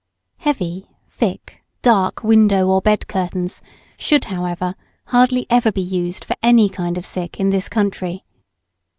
Heavy, thick, dark window or bed curtains should, however, hardly ever be used for any kind of sick in this country.